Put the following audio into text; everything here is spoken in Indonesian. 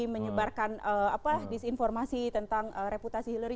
menyebarkan disinformasi tentang reputasi hillary